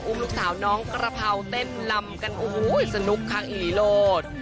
ลูกสาวน้องกระเพราเต้นลำกันโอ้โหสนุกค่ะอีหลีโลด